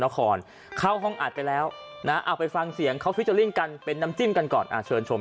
ก่อนเข้าห้องอาจไปแล้วน่าเอาไปฟังเสียงเขากะเป็นน้ำจิ้มกันก่อนอ่ะเชิญดู